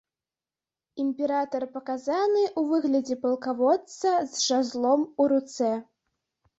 Імператар паказаны ў выглядзе палкаводца з жазлом у руцэ.